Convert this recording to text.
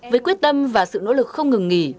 với quyết tâm và sự nỗ lực không ngừng nghỉ